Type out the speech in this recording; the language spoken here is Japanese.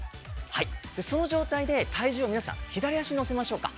その状態で、体重を左足に乗せましょうか。